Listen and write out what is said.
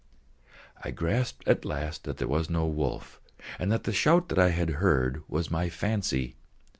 I grasped at last that there was no wolf, and that the shout that I had heard was my fancy.